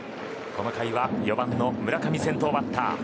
この回は４番の村上が先頭バッター。